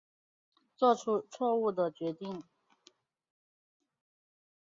做出错误的决定